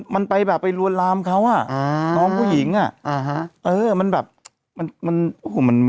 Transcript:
มันไม่รู้จะพูดยังไง